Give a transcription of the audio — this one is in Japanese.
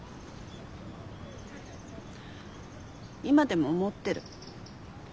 今でも思ってる。